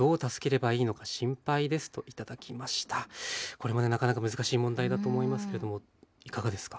これもねなかなか難しい問題だと思いますけれどもいかがですか？